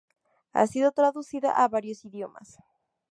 Ha sido traducida a varios idiomas.